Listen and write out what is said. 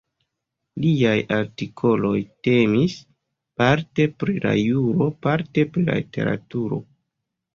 Liaj artikoloj temis parte pri la juro, parte pri la literaturo.